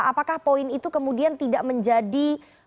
apakah poin itu kemudian tidak menjadi